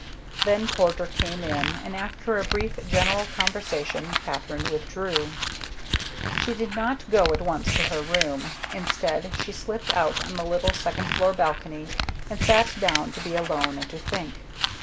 Then Porter came in, and after a brief general conversation Katherine withdrew. She did not go at once to her room. Instead, she slipped out on the little second floor balcony and sat down to be alone and to think.